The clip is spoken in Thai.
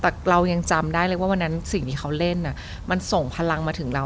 แต่เรายังจำได้เลยว่าวันนั้นสิ่งที่เขาเล่นมันส่งพลังมาถึงเรา